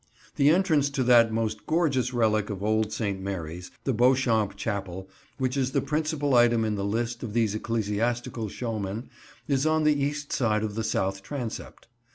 The entrance to that most gorgeous relic of old St. Mary's, the Beauchamp Chapel, which is the principal item in the list of these ecclesiastical showmen, is on the east side of the south transept.